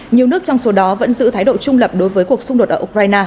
nhiều nước trong số đó vẫn giữ thái độ trung lập đối với cuộc xung đột ở ukraine